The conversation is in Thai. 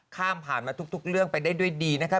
ข้ามผ่านมาทุกเรื่องไปได้ด้วยดีนะคะ